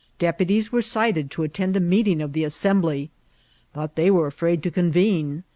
Deputies were dted to attend a meeting of the Assembly, but they were afraid to con* vene.